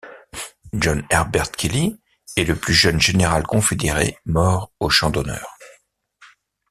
John Herbert Kelly est le plus jeune général confédéré mort au champ d'honneur.